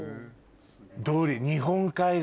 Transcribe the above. どうりで。